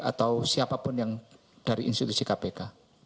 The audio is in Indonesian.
atau siapapun yang dari institusi kpk